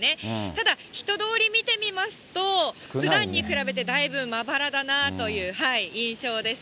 ただ、人通り見てみますと、ふだんに比べてだいぶまばらだなという印象です。